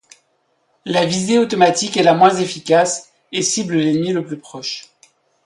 La visée automatique est la moins efficace, et cible l'ennemi le plus proche.